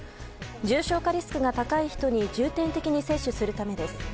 重症化リスクが高い人に重点的に接種するためです。